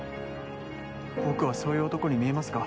僕はそういう男に見えますか？